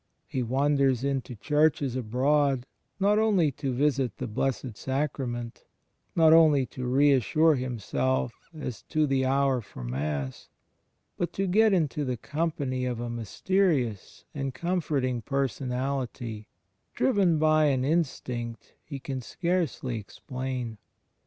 He wanders into churches abroad, not only to visit the Blessed Sacrament, not only to reassure himself as to the hour for mass, but to get into the company of a mysterious and comforting Personality, driven by an instinct he can scarcely explain.